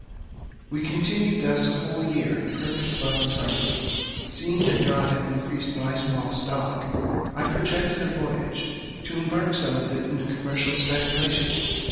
We continued thus a whole year in perfect love and harmony. Seeing that God had increased my small stock, I projected a voyage, to embark some of it in a commercial speculation.